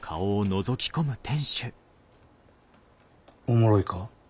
おもろいか？